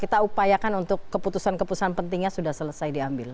kita upayakan untuk keputusan keputusan pentingnya sudah selesai diambil